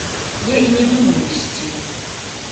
Я і не думаю ісці.